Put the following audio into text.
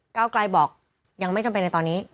เก้าไกลบอกยังไม่จำเป็นในตอนนี้